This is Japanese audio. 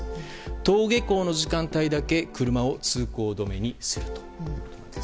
登下校の時間帯だけ車を通行止めにすると。